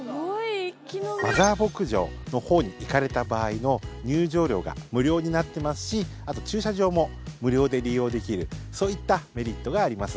マザー牧場のほうに行かれた場合の入場料が無料になってますし駐車場も無料で利用できるそういったメリットがあります。